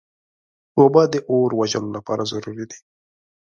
اوبه د اور وژلو لپاره ضروري دي.